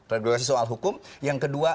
regulasi soal hukum yang kedua